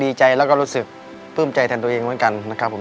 ดีใจแล้วก็รู้สึกผิดใจแทนตัวเองเหมือนกัน